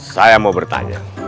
saya mau bertanya